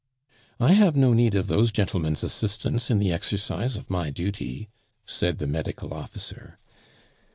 "I have no need of those gentlemen's assistance in the exercise of my duty," said the medical officer.